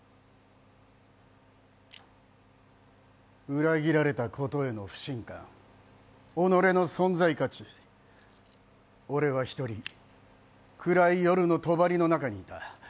裏切られたことへの不信感、おのれの存在価値、俺は一人暗い夜のとばりの中にいた。